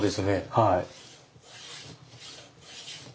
はい。